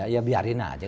ya biarin aja